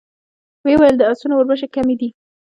ويې ويل: د آسونو وربشې کمې دي.